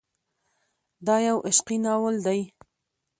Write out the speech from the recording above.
دا يو عشقي ناول دی.